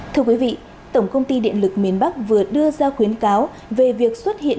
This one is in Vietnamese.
thưa quý vị tổng công ty điện lực miền bắc vừa đưa ra khuyến cáo về việc xuất hiện